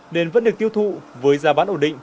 nên vẫn được tiêu thụ với giá bán ổn định